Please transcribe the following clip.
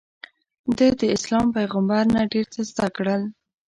ده داسلام پیغمبر نه ډېر څه زده کړل.